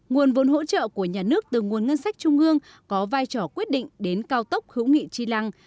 nguồn vốn hỗ trợ của nhà nước từ nguồn ngân sách trung ương có vai trò quyết định đến cao tốc hữu nghị chi lăng